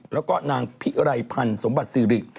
แล้วก็นางพิไรพันธ์สมบัติศิริ